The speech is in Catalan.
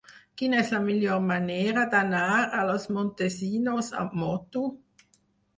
Quina és la millor manera d'anar a Los Montesinos amb moto?